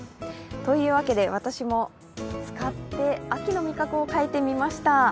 というわけで、私も使って秋の味覚を描いてみました。